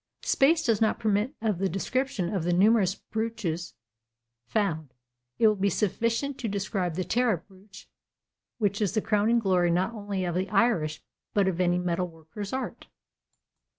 Space does not permit of the description of the numerous brooches found. It will be sufficient to describe the Tara Brooch, which is the crowning glory not only of the Irish but of any metalworker's art.